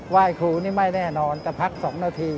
ไหว้ครูนี่ไม่แน่นอนแต่พัก๒นาที